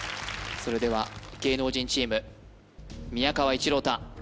それでは芸能人チーム宮川一朗太